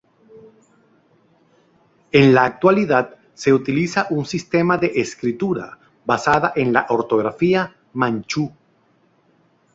En la actualidad se utiliza un sistema de escritura basada en la ortografía manchú.